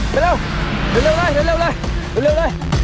ไปเร็วเร็วเร็วเร็ว